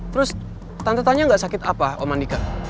terus tante tanya gak sakit apa om mandika